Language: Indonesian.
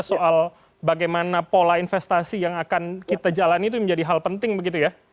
soal bagaimana pola investasi yang akan kita jalani itu menjadi hal penting begitu ya